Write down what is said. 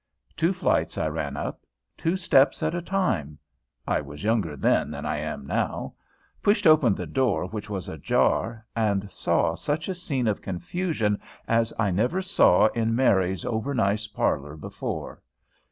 Two flights I ran up, two steps at a time, I was younger then than I am now, pushed open the door which was ajar, and saw such a scene of confusion as I never saw in Mary's over nice parlor before.